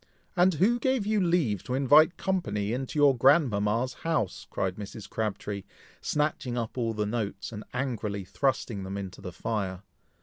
"And who gave you leave to invite company into your grandmama's house?" cried Mrs. Crabtree, snatching up all the notes, and angrily thrusting them into the fire.